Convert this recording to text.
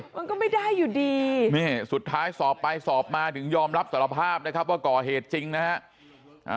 มันก็ไม่ได้อยู่ดีนี่สุดท้ายสอบไปสอบมาถึงยอมรับสารภาพนะครับว่าก่อเหตุจริงนะฮะ